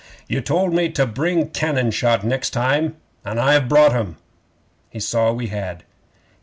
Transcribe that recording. '"You told me to bring cannon shot next time, an' I've brought 'em." 'He saw we had.